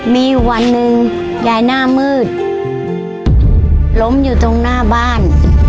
มีอยู่วันหนึ่งยายหน้ามืดล้มอยู่ตรงหน้าบ้าน